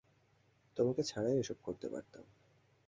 তোমাকে ছাড়াই এসব করতে পারতাম।